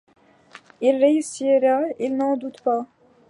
Il réussira, il n’en doute pas.